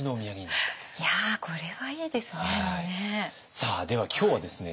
さあでは今日はですね